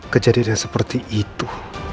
kejadian seperti itu